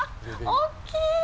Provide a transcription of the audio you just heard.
大きい！